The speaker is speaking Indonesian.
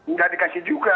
nggak dikasih juga